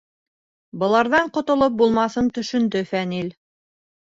Быларҙан ҡотолоп булмаҫын төшөндө Фәнил.